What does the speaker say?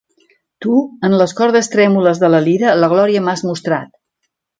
Tu, en les cordes trèmules de la lira, la glòria m'has mostrat.